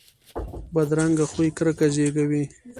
بدرنګه خوی کرکه زیږوي